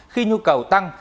khi nhu cầu tăng